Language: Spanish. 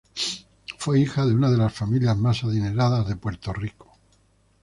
Fue hija de una de las familias más adineradas de Puerto Rico.